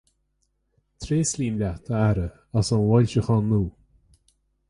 Tréaslaím leat a Aire as an bhfoilseachán nua.